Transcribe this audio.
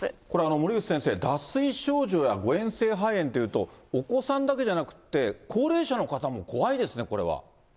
これ、森内先生、脱水症状や誤嚥性肺炎というとお子さんだけじゃなくて、高齢者の方も怖いですね、これは。